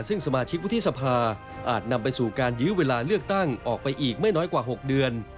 ซึ่งสมาชิกวุฒิสภาอาจนำไปสู่การยื้อเวลาเลือกตั้งออกไปอีกไม่น้อยกว่า๖เดือน